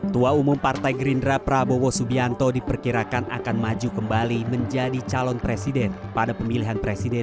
tua umum partai gerindra prabowo subianto diperkirakan akan maju kembali menjadi calon presiden pada pemilihan presiden dua ribu sembilan belas